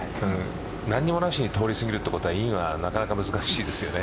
何もなしに通り過ぎるということはインはなかなか難しいですね。